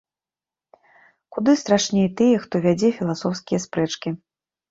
Куды страшней тыя, хто вядзе філасофскія спрэчкі.